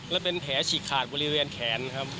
และเป็นแผลฉีกขาดบริเวณแขนครับ